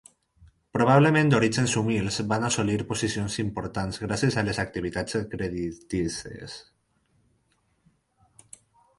Probablement d'orígens humils, van assolir posicions importants gràcies a les activitats creditícies.